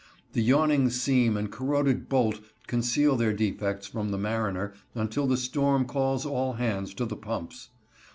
The yawning seam and corroded bolt conceal their defects from the mariner until the storm calls all hands to the pumps.